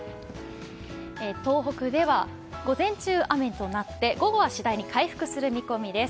東北では午前中が雨となって午後は次第に回復する見込みです